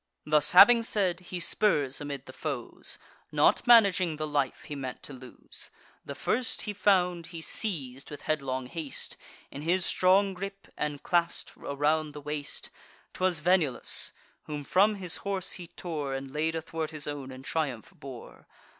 Thus having said, he spurs amid the foes, Not managing the life he meant to lose. The first he found he seiz'd with headlong haste, In his strong gripe, and clasp'd around the waist; 'Twas Venulus, whom from his horse he tore, And, laid athwart his own, in triumph bore.